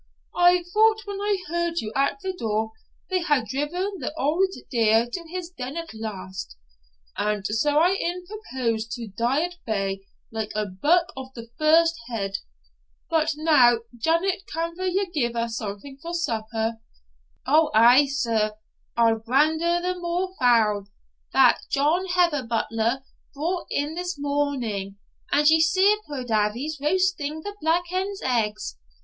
I thought, when I heard you at the door, they had driven the auld deer to his den at last; and so I e'en proposed to die at bay, like a buck of the first head. But now, Janet, canna ye gie us something for supper?' 'Ou ay, sir, I'll brander the moor fowl that John Heatherblutter brought in this morning; and ye see puir Davie's roasting the black hen's eggs.